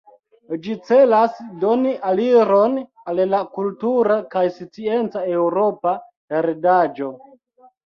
Ĝi celas doni aliron al la kultura kaj scienca eŭropa heredaĵo.